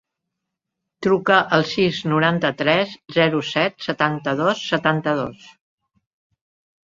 Truca al sis, noranta-tres, zero, set, setanta-dos, setanta-dos.